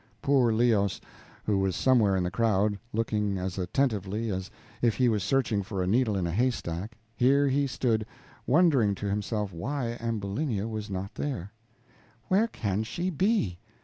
Poor Leos, who was somewhere in the crowd, looking as attentively as if he was searching for a needle in a haystack; here he stood, wondering to himself why Ambulinia was not there. "Where can she be?